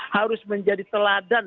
harus menjadi teladan